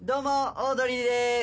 オードリーです。